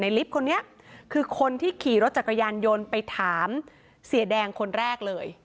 ลิฟต์คนนี้คือคนที่ขี่รถจักรยานยนต์ไปถามเสียแดงคนแรกเลย